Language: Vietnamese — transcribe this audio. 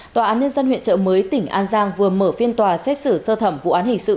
tòa án nhân dân huyện trợ mới tỉnh an giang vừa mở phiên tòa xét xử sơ thẩm vụ án hình sự